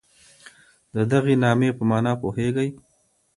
د دغي نامې په مانا پوهېږئ؟